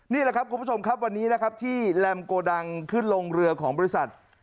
นี่แหละครับคุณผู้ชมครับวันนี้นะครับที่แรมโกดังขึ้นลงเรือของบริษัท